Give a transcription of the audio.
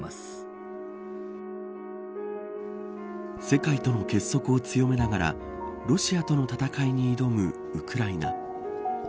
世界との結束を強めながらロシアとの戦いに挑むウクライナ。